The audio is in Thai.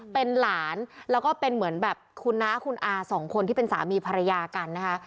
เป็นหลานแล้วก็เป็นเหมือนแบบคุณน้าคุณอาสองคนที่เป็นสามีภรรยากันนะคะ